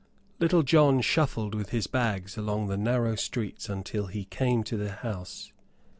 Little John shuffled with his bags along the narrow streets until he came to the house.